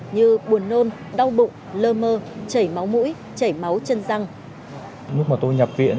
và bắt đầu sửa d schneide pand vacun hướng dẫn